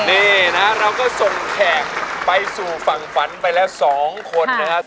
นี่นะฮะเราก็ส่งแขกไปสู่ฝากฟันไปแล้ว๒คนนะฮะ